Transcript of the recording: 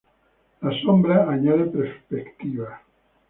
Las sombras añaden perspectiva.